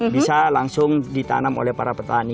bisa langsung ditanam oleh para petani